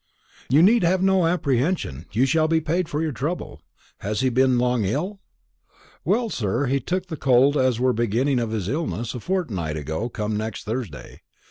"You need have no apprehension; you shall be paid for your trouble. Has he been long ill?" "Well, sir, he took the cold as were the beginning of his illness a fortnight ago come next Thursday.